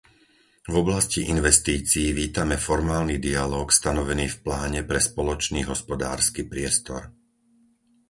V oblasti investícií vítame formálny dialóg stanovený v pláne pre spoločný hospodársky priestor.